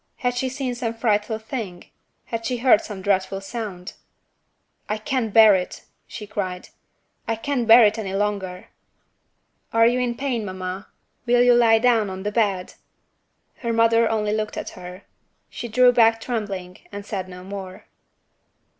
Had she seen some frightful thing? had she heard some dreadful sound? "I can't bear it!" she cried "I can't bear it any longer!" "Are you in pain, mamma? Will you lie down on the bed?" Her mother only looked at her. She drew back trembling, and said no more.